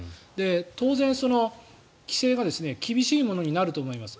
当然、規制が厳しいものになると思います。